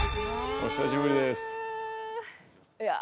お久しぶりです。